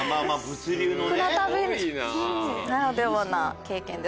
船旅ならではな経験ですね。